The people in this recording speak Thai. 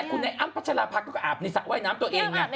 คุณแอ้มปัชลาภักษ์เขาก็อาบในสระไวน้ำตัวเอง